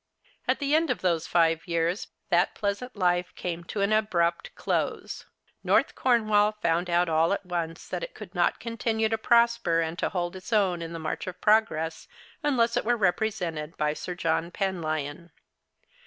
At the end of those five years that pleasant life came to an abrupt close. North Cornwall found out all at once that it could not continue to prosper and to hold its own in the march of progress unless it were repre sented by Sir John Penlyon.